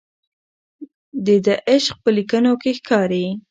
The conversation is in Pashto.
د ده عشق په لیکنو کې ښکاري.